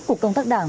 cục công tác đảng